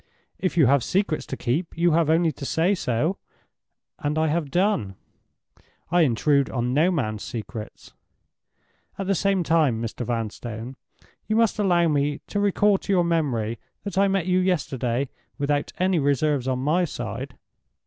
"If you have secrets to keep, you have only to say so, and I have done. I intrude on no man's secrets. At the same time, Mr. Vanstone, you must allow me to recall to your memory that I met you yesterday without any reserves on my side.